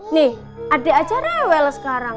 nih ada acara well sekarang